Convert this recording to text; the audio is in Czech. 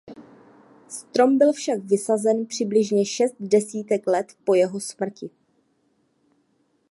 Strom byl však vysazen přibližně šest desítek let po jeho smrti.